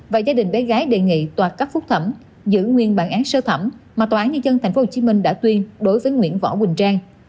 và gia đình bé gái đề nghị tòa cấp phúc thẩm giữ nguyên bản án sơ thẩm mà tòa án nhân dân tp hcm đã tuyên đối với nguyễn võ quỳnh trang